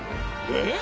えっ！